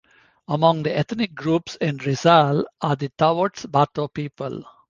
Among the ethnic groups in Rizal are the Tao't Bato people.